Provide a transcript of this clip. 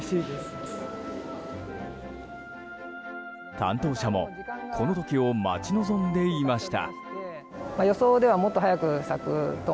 担当者もこの時を待ち望んでいました。